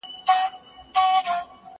زه بايد ليکنې وکړم،